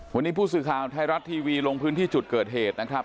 วันนี้ผู้สื่อข่าวไทยรัฐทีวีลงพื้นที่จุดเกิดเหตุนะครับ